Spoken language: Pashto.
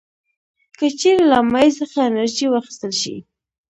که چیرې له مایع څخه انرژي واخیستل شي.